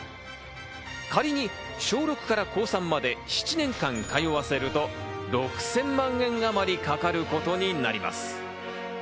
仮に小６から高３まで７年間通わせると６０００万円あまりかかることになります。